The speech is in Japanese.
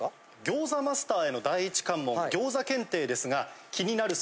餃子マスターへの第一関門餃子検定ですが気になる